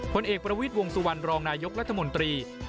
ผลเอกประวิทย์วงสุวรรณรองนายกรัฐมนตรี